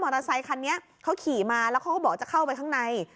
เตอร์ไซคันนี้เขาขี่มาแล้วเขาก็บอกจะเข้าไปข้างใน